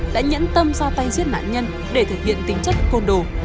đã nhẫn tâm ra tay giết nạn nhân để thực hiện tính chất côn đồ